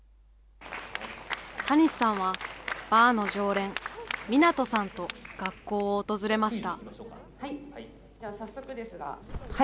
たにしさんは、バーの常連、みなとさんと学校を訪れました。